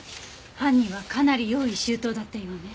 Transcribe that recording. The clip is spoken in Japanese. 犯人はかなり用意周到だったようね。